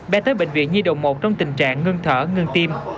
bé tới bệnh viện nhi đồng một trong tình trạng ngưng thở ngưng tim